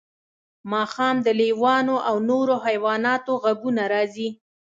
ماښام د لیوانو او نورو حیواناتو غږونه راځي